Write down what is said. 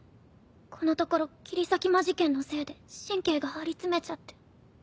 このところ切り裂き魔事件のせいで神経が張り詰めちゃって。